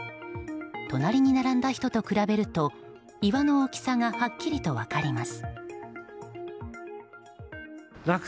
隣に並んだ人と比べると岩の大きさがはっきりと分かります。